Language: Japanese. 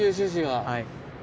はい。